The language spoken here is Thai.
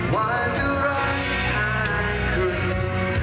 อยากจะมีแค่คุณเพียงคุณเดียว